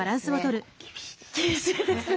結構厳しいですね。